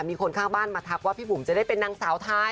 มีคนข้างบ้านมาทักว่าพี่บุ๋มจะได้เป็นนางสาวไทย